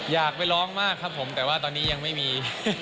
อยากไปร้องมากครับผมแต่ว่าตอนนี้ยังไม่มี